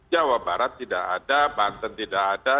jawa barat tidak ada banten tidak ada